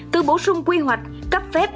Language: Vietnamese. từ bổ sung quy hoạch cấp phép